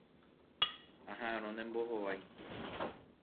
Aha'ãrõ ne mbohovái.